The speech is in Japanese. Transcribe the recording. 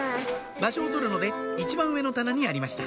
場所を取るので一番上の棚にありました